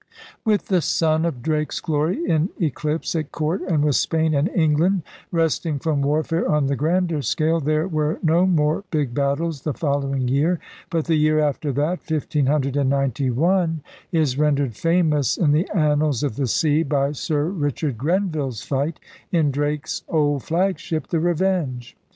With the sun of Drake's glory in eclipse at court and with Spain and England resting from warfare on the grander scale, there were no more big battles the following year. But the year after that, 1591, is rendered famous in the annals of the sea by Sir Richard Grenville's fight in Drake's old flagship, the Revenge.